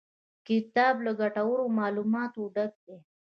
کتاب له ګټورو معلوماتو ډک دی.